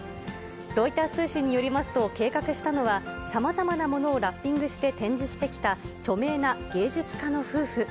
ロイター通信によりますと、計画したのは、さまざまなものをラッピングして展示してきた著名な芸術家の夫婦。